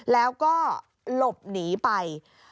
แล้วก็หลบหนีไป